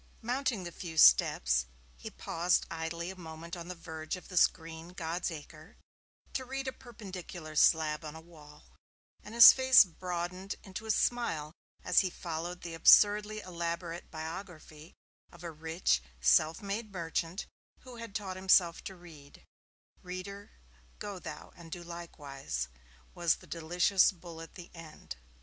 Mounting the few steps, he paused idly a moment on the verge of this green 'God's acre' to read a perpendicular slab on a wall, and his face broadened into a smile as he followed the absurdly elaborate biography of a rich, self made merchant who had taught himself to read, 'Reader, go thou and do likewise,' was the delicious bull at the end.